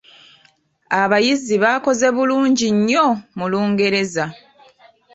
Abayizi baakoze bulungi nnyo mu Lungereza.